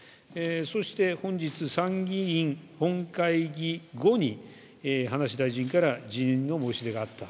そして本日、参議院本会議後に葉梨大臣から辞任の申し出があった。